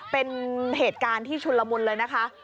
เป็นเหตุการณ์ที่ชุนละมุนเลยนะคะ